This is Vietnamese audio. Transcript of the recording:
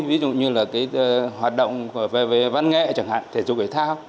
ví dụ như là cái hoạt động về văn nghệ chẳng hạn thể dục thể thao